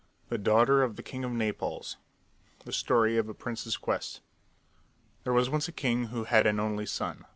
THE DAUGHTER OF THE KING OF NAPLES The Story of a Prince's Quest There was once a king who had an only son.